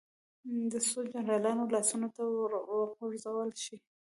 د څو جنرالانو لاسونو ته وغورځول شي.